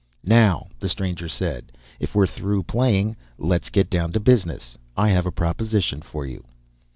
"Now," the stranger said, "if we're through playing, let's get down to business. I have a proposition for you."